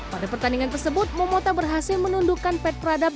pada pertandingan tersebut momota berhasil menundukkan pet pradap